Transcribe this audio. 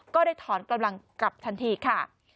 ก็ได้ถอนกำลังกลับทันทีค่ะ